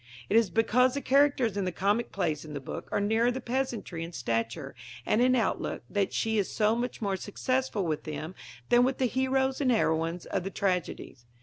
It is because the characters in the comic plays in the book are nearer the peasantry in stature and in outlook that she is so much more successful with them than with the heroes and heroines of the tragedies.